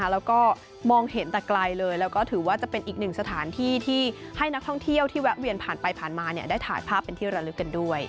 แล้วก็มองเห็นแต่ไกลเลยแล้วก็ถือว่าจะเป็นอีกหนึ่งสถานที่ที่ให้นักท่องเที่ยวที่แวะเวียนผ่านไปผ่านมาได้ถ่ายภาพเป็นที่ระลึกกันด้วย